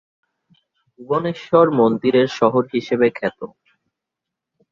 ভুবনেশ্বর মন্দিরের শহর হিসেবে খ্যাত।